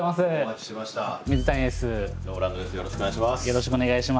よろしくお願いします。